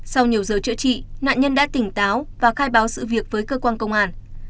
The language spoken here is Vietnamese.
sau nhiều giờ chữa trị nạn nhân đã tỉnh táo và khai báo sự việc với cơ quan công an